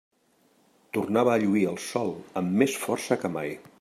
Tornava a lluir el sol amb més força que mai.